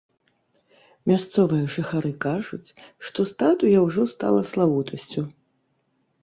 Мясцовыя жыхары кажуць, што статуя ўжо стала славутасцю.